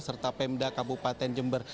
serta pemda kabupaten jember